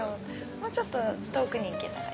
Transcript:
もうちょっと遠くに行けたら。